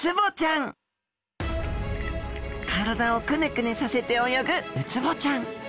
体をくねくねさせて泳ぐウツボちゃん